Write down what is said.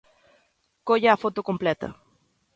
Colla a foto completa.